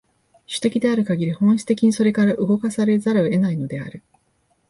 種的であるかぎり、本質的にそれから動かされざるを得ないのである。